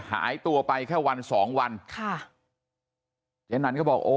หายตัวไปแค่วันสองวันค่ะเจ๊นันก็บอกโอ้